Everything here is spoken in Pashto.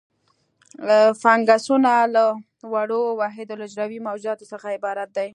فنګسونه له وړو وحیدالحجروي موجوداتو څخه عبارت دي.